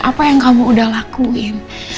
apa yang kamu udah lakuin